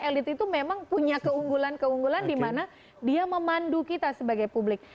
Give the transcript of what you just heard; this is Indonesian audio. elit itu memang punya keunggulan keunggulan dimana dia memandu kita sebagai publik